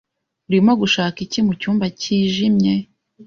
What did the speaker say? Urimo gushaka iki mu cyumba cyijimye?